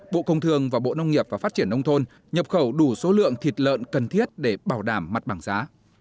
bộ công thương và bộ nông nghiệp và phát triển nông thôn nhập khẩu đủ số lượng thịt lợn cần thiết để bảo đảm mặt bằng giá